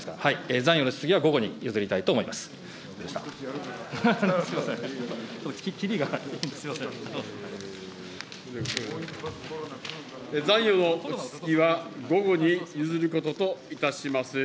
残余の質疑は午後に譲ることといたします。